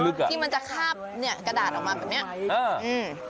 ที่มันจะคาบเนี่ยกระดาษออกมาแบบเนี้ยเอออืม